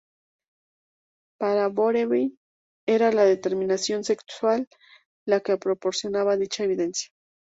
Para Boveri, era la determinación sexual la que proporcionaba dicha evidencia.